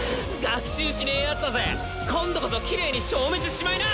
学習しねえやつだぜ今度こそきれいに消滅しちまいな！